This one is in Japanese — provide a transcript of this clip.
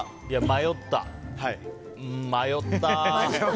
迷った。